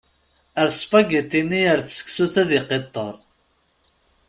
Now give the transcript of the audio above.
Err spagiti-nni ar tseksut ad yeqqiṭṭer.